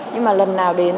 nhưng mà lần nào đến